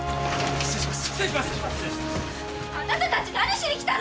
失礼します。